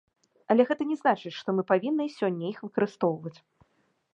Але гэта не значыць, што мы павінны і сёння іх выкарыстоўваць.